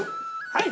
はい！